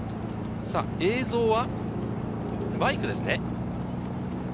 映像はバイクです。